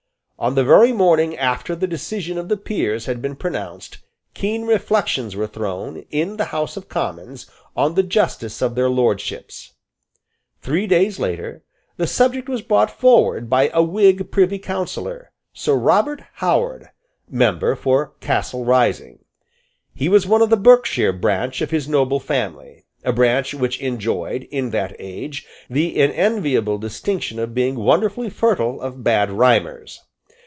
On the very morning after the decision of the Peers had been pronounced, keen reflections were thrown, in the House of Commons, on the justice of their lordships. Three days later, the subject was brought forward by a Whig Privy Councillor, Sir Robert Howard, member for Castle Rising. He was one of the Berkshire branch of his noble family, a branch which enjoyed, in that age, the unenviable distinction of being wonderfully fertile of bad rhymers.